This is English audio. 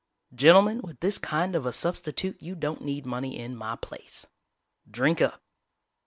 "Gentlemen, with this kind of a substitute you don't need money in my place. Drink up!"